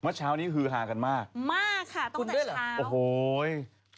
เมื่อเช้านี้ฮือหากันมากคุณด้วยเหรอมากค่ะตั้งแต่เช้า